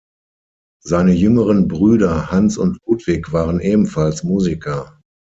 Seine jüngeren Brüder Hans und Ludwig waren ebenfalls Musiker.